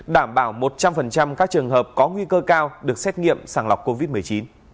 đảm bảo một trăm linh các trường hợp có nguy cơ cao được xét nghiệm sàng lọc covid một mươi chín